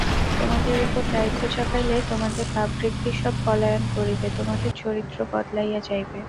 তোমাদের উপর দায়িত্ব চাপাইলে তোমাদের পাপবৃত্তি সব পলায়ন করিবে, তোমাদের চরিত্র বদলাইয়া যাইবে।